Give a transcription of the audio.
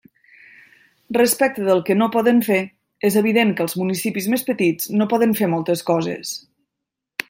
Respecte del que no poden fer, és evident que els municipis més petits no poden fer moltes coses.